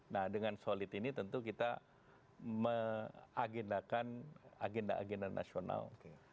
nah dengan solid ini tentu kita mengagendakan agenda agenda nasional